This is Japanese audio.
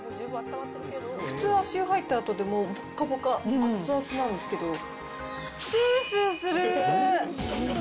普通、足湯入ったあとってぽっかぽか、熱々なんですけど、すーすーする！